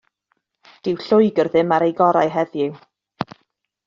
Dyw Lloegr ddim ar eu gorau heddiw.